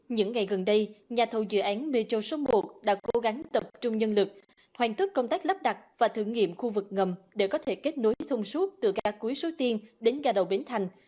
những ngày gần đây nhà thầu dự án metro số một đã cố gắng tập trung nhân lực hoàn tất công tác lắp đặt và thử nghiệm khu vực ngầm để có thể kết nối thông suốt từ ga cuối số tiên đến ga đầu bến thành